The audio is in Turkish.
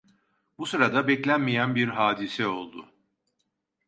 Bu sırada beklenmeyen bir hadise oldu.